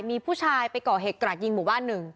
มีผู้ชายไปก่อเหตุกราดยิงหมู่บ้านหนึ่ง